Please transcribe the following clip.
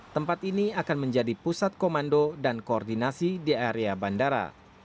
tempat ini akan menjadi pusat komando dan koordinasi di area bandara